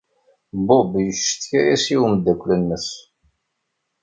Bob yeccetka-as i umeddakel-nnes.